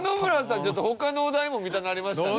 ちょっと他のお題も見たくなりましたね。